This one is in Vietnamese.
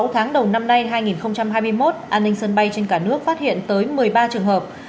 sáu tháng đầu năm nay hai nghìn hai mươi một an ninh sân bay trên cả nước phát hiện tới một mươi ba trường hợp